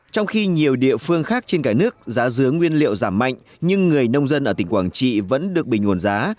trong khi nhiều địa phương khác trên cả nước giá dứa nguyên liệu giảm mạnh nhưng người nông dân ở tỉnh quảng trị vẫn được bình ổn giá